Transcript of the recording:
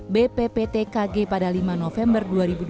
bpptkg pada lima november dua ribu dua puluh